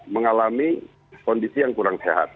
mengalami kondisi yang kurang sehat